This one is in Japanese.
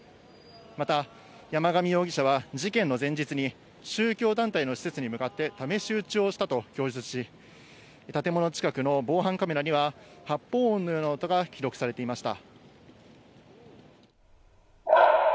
また山上容疑者は事件の前日に、宗教団体の施設に向かって試し撃ちをしたと供述し、建物近くの防犯カメラには、発砲音のような音が記録されていました。